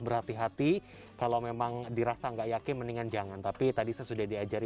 berhati hati kalau memang dirasa nggak yakin mendingan jangan tapi tadi saya sudah diajari